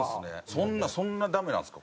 そんなそんなダメなんですか？